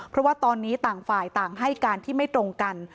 เพราะว่าตอนนี้ต่างฝ่ายต่างให้การที่ไม่ตรงกัน